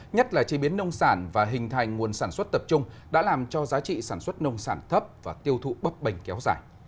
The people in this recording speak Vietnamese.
nhất là chế biến nông sản và hình thành nguồn sản xuất tập trung đã làm cho giá trị sản xuất nông sản thấp và tiêu thụ bấp bềnh kéo dài